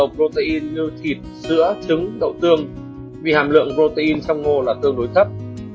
protein như thịt sữa trứng đậu tương vì hàm lượng protein trong ngô là tương đối thấp